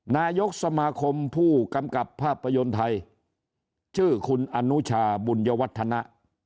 นายกสมาคมผู้กำกับภาพยนตร์ไทยชื่อคุณอนุชาบุญวัฒนะ